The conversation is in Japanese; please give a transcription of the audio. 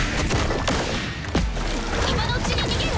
今のうちに逃げる？